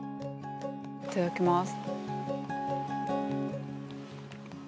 いただきます。